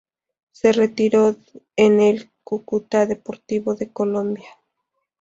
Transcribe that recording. Se retiró en el Cúcuta Deportivo de Colombia.